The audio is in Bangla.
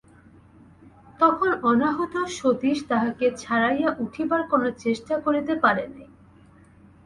তখন অনাহূত সতীশ তাহাকে ছাড়াইয়া উঠিবার কোনো চেষ্টা করিতে পারে নাই।